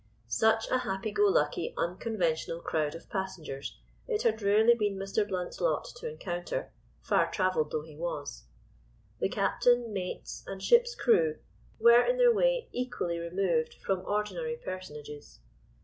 Such a happy go lucky unconventional crowd of passengers, it had rarely been Mr. Blount's lot to encounter, far travelled though he was. The captain, mates and ship's crew were, in their way, equally removed from ordinary personages.